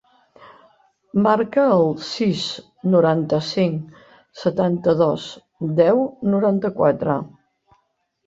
Marca el sis, noranta-cinc, setanta-dos, deu, noranta-quatre.